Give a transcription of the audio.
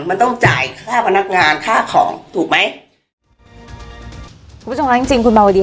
มันต้องจ่ายค่าพนักงานค่าของถูกไหมคุณผู้ชมคะจริงจริงคุณมาวดี